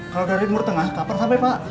kalau dari timur tengah kapan sampai pak